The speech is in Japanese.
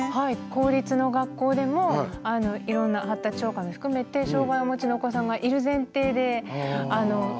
公立の学校でもいろんな発達障害も含めて障害をお持ちのお子さんがいる前提で設計されてて。